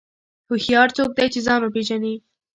هوښیار څوک دی چې ځان وپېژني.